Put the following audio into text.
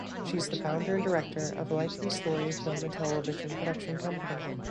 She is the founder and director of "likely story" film and television production company.